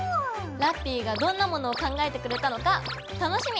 ラッピィがどんなものを考えてくれたのか楽しみ！